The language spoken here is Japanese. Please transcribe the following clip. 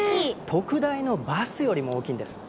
特大のバスよりも大きいんです。